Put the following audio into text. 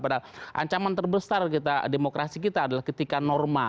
padahal ancaman terbesar kita demokrasi kita adalah ketika norma